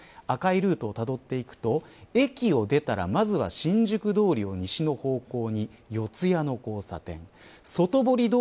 赤いルートをたどっていくと駅を出たら、まずは新宿通りを西の方向に四ツ谷の交差点。